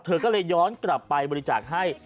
เธอก็เลยย้อนกลับไปบริจาคให้